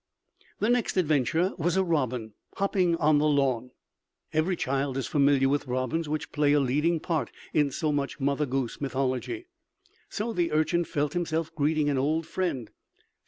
The next adventure was a robin, hopping on the lawn. Every child is familiar with robins which play a leading part in so much Mother Goose mythology, so the Urchin felt himself greeting an old friend.